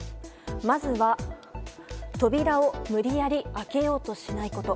まずは扉を無理やり開けようとしないこと。